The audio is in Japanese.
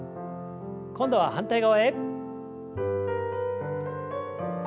今度は反対側へ。